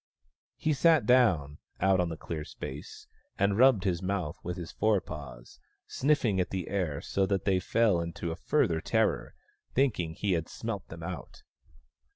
He sat down, out on the clear space, and rubbed his mouth with his forepaws, snifhng at the air so that they fell into a further terror, thinking he had smelt them out.